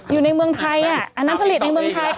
อยู่ในเมืองไทยอันนั้นผลิตในเมืองไทย